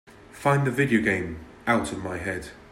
Find the video game Out of My Head